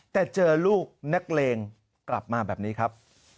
แต่เจอลูกนักเลงกลับมาแบบนี้ครับ